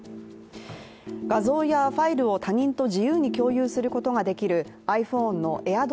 画像やファイルを他人と自由に共有することができるｉＰｈｏｎｅのＡｉｒＤｒｏｐ機能。